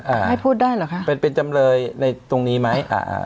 อ่าให้พูดได้เหรอคะเป็นเป็นจำเลยในตรงนี้ไหมอ่า